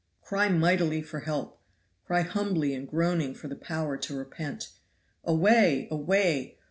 Cry mightily for help cry humbly and groaning for the power to repent. Away! away!